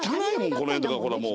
この辺とかほらもう。